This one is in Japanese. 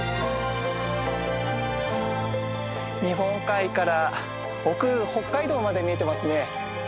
日本海から奥北海道まで見えてますね。